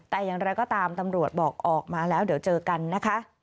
แต่อย่างไรก็ตามตำรวจบอกออกมาแล้วเดี๋ยวเจอกันนะคะ